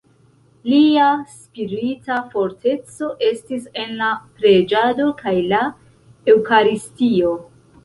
Lia spirita forteco estis en la preĝado kaj la eŭkaristio.